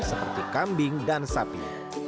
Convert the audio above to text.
seperti kambing dan sapi